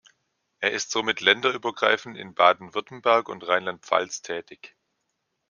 Er ist somit länderübergreifend in Baden-Württemberg und Rheinland-Pfalz tätig.